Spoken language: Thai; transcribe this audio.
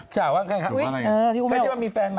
คุณแม่ว่ามีแฟนใหม่เป็นหมอ